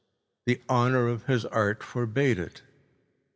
The honour of his art forbade it.